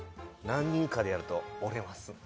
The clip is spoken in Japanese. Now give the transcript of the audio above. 何人かでやると折れます。